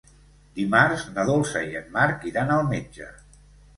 Dimarts na Dolça i en Marc iran al metge.